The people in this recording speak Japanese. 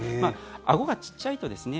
あごがちっちゃいとですね